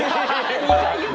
２回言った。